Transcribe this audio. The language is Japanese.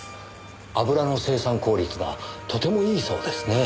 油の生産効率がとてもいいそうですねぇ？